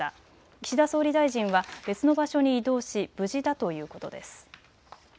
岸田総理大臣は別の場所に移動し無事だということです。